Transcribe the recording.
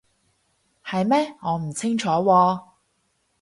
係咩？我唔清楚喎